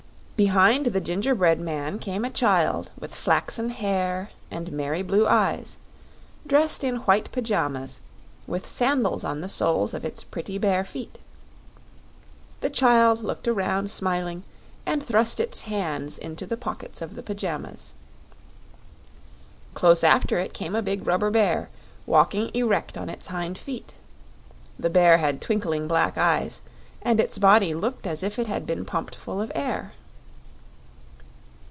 Behind the gingerbread man came a child with flaxen hair and merry blue eyes, dressed in white pajamas, with sandals on the soles of its pretty bare feet. The child looked around smiling and thrust its hands into the pockets of the pajamas. Close after it came a big rubber bear, walking erect on its hind feet. The bear had twinkling black eyes, and its body looked as if it had been pumped full of air.